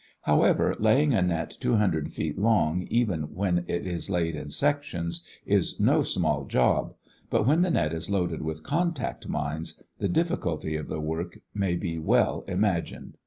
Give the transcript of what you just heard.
However, laying a net two hundred feet long even when it is laid in sections, is no small job, but when the net is loaded with contact mines, the difficulty of the work may be well imagined.